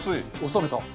収めた。